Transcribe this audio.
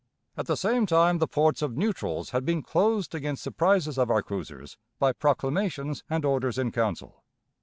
At the same time the ports of neutrals had been closed against the prizes of our cruisers by proclamations and orders in council.